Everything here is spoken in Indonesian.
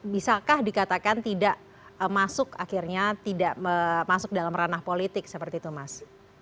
bisakah dikatakan tidak masuk akhirnya tidak masuk dalam ranah politik seperti itu mas